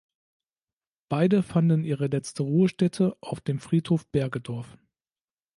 Beide fanden ihre letzte Ruhestätte auf dem Friedhof Bergedorf.